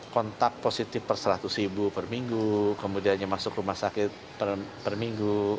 kontak positif per seratus ribu per minggu kemudiannya masuk rumah sakit per minggu